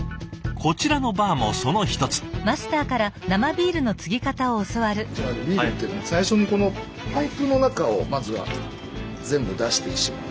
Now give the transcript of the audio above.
ビールっていうのは最初にこのパイプの中をまずは全部出してしまう。